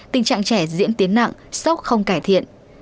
tình trạng trẻ diễn tiến nặng sốc không cải thiện